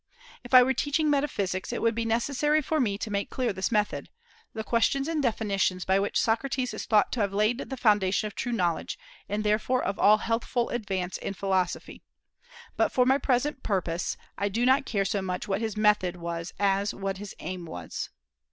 If I were teaching metaphysics, it would be necessary for me to make clear this method, the questions and definitions by which Socrates is thought to have laid the foundation of true knowledge, and therefore of all healthful advance in philosophy. But for my present purpose I do not care so much what his method was as what his aim was.